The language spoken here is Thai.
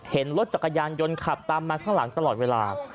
เห็นรถจักรยานยนต์ขับตามมาข้างหลังตลอดเวลา